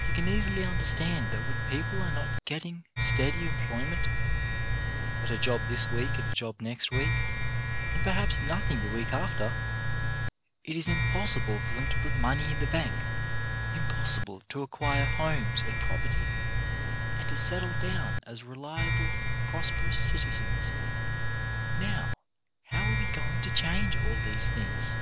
You can easily understand that where people are not getting steady employment — but a job this week and a job next week, and perhaps nothing the week after — it is impossible for them to put money in the bank, impossible to acquire homes and prop erty, and to settle down as reliable, prosperous citizens. BEING RELIABLE 107 Now, how are we going to change all these things